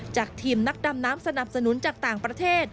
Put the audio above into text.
ทีมนักดำน้ำสนับสนุนจากต่างประเทศ